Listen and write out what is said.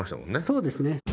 そうですね。